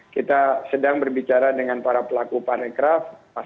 kita sedang berbicara dengan para pelaku parekraf